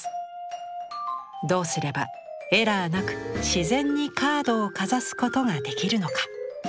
どうすればエラーなく自然にカードをかざすことができるのか？